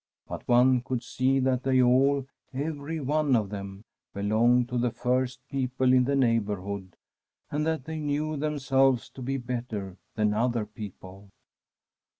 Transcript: But one could see that they all, every one of them, belonged to the first people in the neighbourhood, and that they knew themselves to be better than other people.